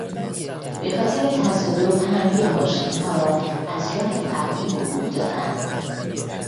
به خاطر تصادف همه ماشینها را از راه فرعی عبور دادند.